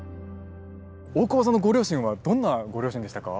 大久保さんのご両親はどんなご両親でしたか？